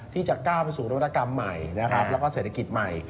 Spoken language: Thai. ที่จะก้าวไปสู่นวัตกรรมใหม่แล้วก็เศรษฐกิจใหม่